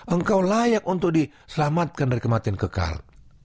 engkau layak untuk diselamatkan dari kematian kekal